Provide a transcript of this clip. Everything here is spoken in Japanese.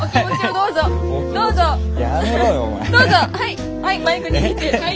どうぞはい！